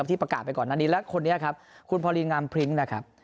ที่ประกาศไปก่อนและคนนี้ครับคุณพอลินงามพลิ้งนะครับ